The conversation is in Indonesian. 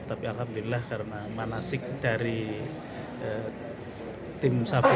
tapi alhamdulillah karena manasik dari tim saputra